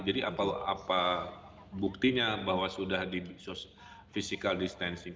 jadi apa buktinya bahwa sudah di physical distancing